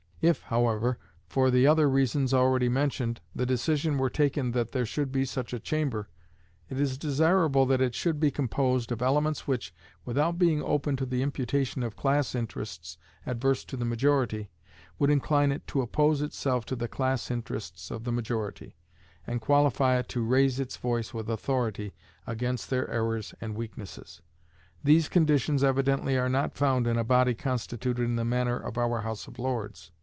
If, however, for the other reasons already mentioned, the decision were taken that there should be such a Chamber, it is desirable that it should be composed of elements which, without being open to the imputation of class interests adverse to the majority, would incline it to oppose itself to the class interests of the majority, and qualify it to raise its voice with authority against their errors and weaknesses. These conditions evidently are not found in a body constituted in the manner of our House of Lords.